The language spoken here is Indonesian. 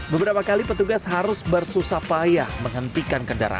beberapa kali petugas harus bersusah payah menghentikan kendaraan